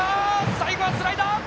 最後はスライダー！